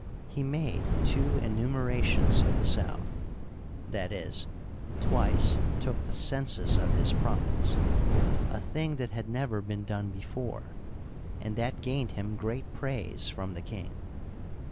He made two enumerations of the South (i. e., twice took the census of his province), a thing that had never been done before, and that gained him great praise from the king.